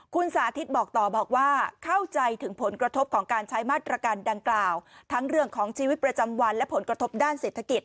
คุณสาธิตบอกต่อบอกว่าเข้าใจถึงผลกระทบของการใช้มาตรการดังกล่าวทั้งเรื่องของชีวิตประจำวันและผลกระทบด้านเศรษฐกิจ